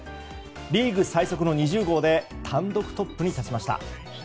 リーグ最速の２０号で単独トップに立ちました。